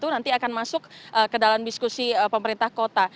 nanti akan masuk ke dalam diskusi pemerintah kota